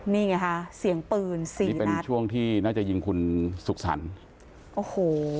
นี่ไงค่ะเสียงปืนสินี่เป็นช่วงที่น่าจะยิงคุณสุขสรรค์โอ้โห